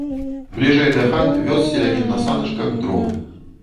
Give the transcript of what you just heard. Бліжэй да хат вёз селянін на саначках дровы.